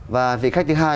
và vị khách thứ hai